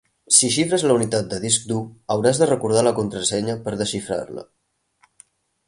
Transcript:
Si xifres la unitat de disc dur, hauràs de recordar la contrasenya per desxifrar-la.